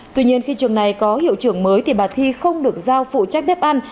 tuy nhiên khi trường này có hiệu trưởng mới thì bà thi không được giao phụ trách bếp ăn